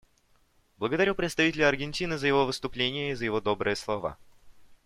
Благодарю представителя Аргентины за его выступление и за его добрые слова.